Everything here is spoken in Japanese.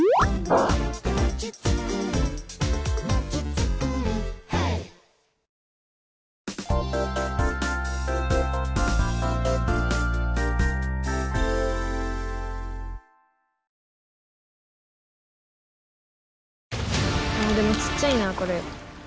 あでもちっちゃいなこれ。